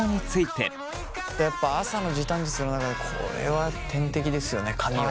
やっぱ朝の時短術の中でこれは天敵ですよね髪は。